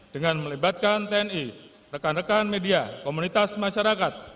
dengan melibatkan tni rekan rekan media komunitas masyarakat